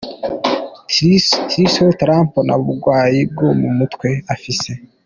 Tillerson: Trump nta bugwayi bwo mu mutwe afise.